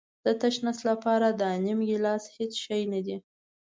د تش نس لپاره دا نیم ګیلاس هېڅ شی نه دی.